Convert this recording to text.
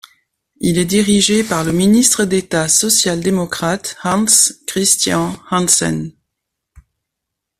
Il est dirigé par le ministre d'État social-démocrate Hans Christian Hansen.